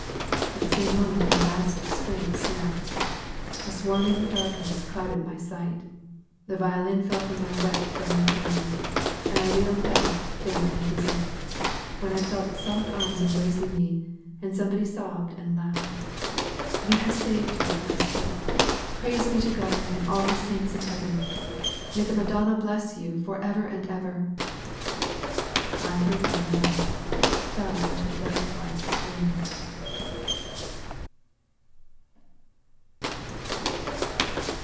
At the same moment my last string snapped, a swarming darkness clouded my sight, the violin fell from my wet, burning hands, and I reeled back, faint and dizzy, when I felt soft arms embracing me, and somebody sobbed and laughed, "You have saved her, Maestro; praise be to God and all His saints in heaven! May the Madonna bless you forever and ever " I heard no more, but fell into a death like swoon.